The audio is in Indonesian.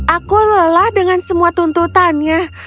aku lelah dengan semua tuntutannya